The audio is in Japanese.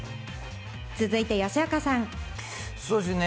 続いて吉岡さん。